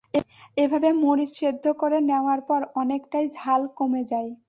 এভাবে মরিচ সেদ্ধ করে নেওয়ার পর অনেকটাই ঝাল কমে যায়।